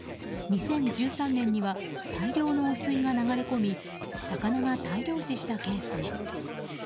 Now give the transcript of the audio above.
２０１３年には大量の汚水が流れ込み魚が大量死したケースも。